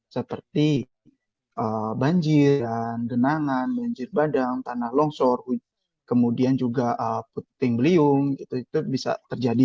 seperti banjir dan genangan banjir bandang tanah longsor kemudian juga puting beliung itu bisa terjadi